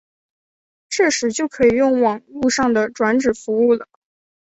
这时就可以用网路上的转址服务了。